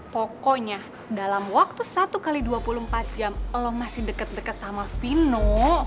pokoknya dalam waktu satu x dua puluh empat jam allah masih deket deket sama fino